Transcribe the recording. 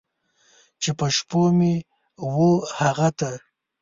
چې په شپو مې و هغه ته!